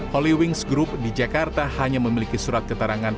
holy wings group di jakarta hanya memiliki surat keterangan